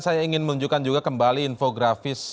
saya ingin menunjukkan juga kembali infografis